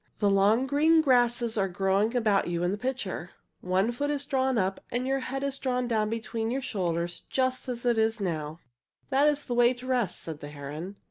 The long green grasses are growing about you in the picture. One foot is drawn up and your head is drawn down between your shoulders just as it now is." "That is the way to rest," said the heron.